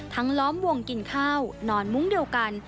ล้อมวงกินข้าวนอนมุ้งเดียวกัน